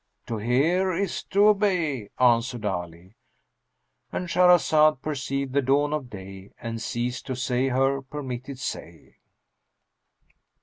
"To hear is to obey," answered Ali;—And Shahrazad perceived the dawn of day and ceased to say her permitted say.